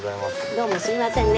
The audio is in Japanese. どうもすいませんね。